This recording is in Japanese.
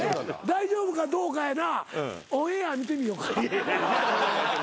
大丈夫かどうかやなオンエア見てみようか。